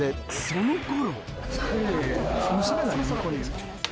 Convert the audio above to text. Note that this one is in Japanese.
その頃！